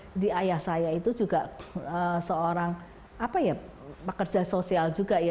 jadi ayah saya itu juga seorang pekerja sosial juga ya